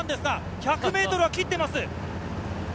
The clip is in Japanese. １００ｍは切っています。